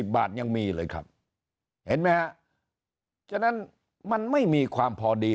บาทยังมีเลยครับเห็นไหมฮะฉะนั้นมันไม่มีความพอดี